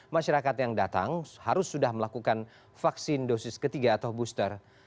masyarakat yang datang harus sudah melakukan vaksin dosis ketiga atau booster